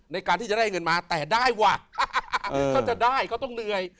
ในการที่จะได้เงินมาแต่ได้ว่ะถ้าจะได้เขาต้องเหนื่อย